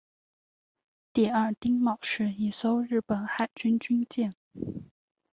第二丁卯是一艘日本海军军舰。